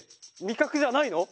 かくじゃないの？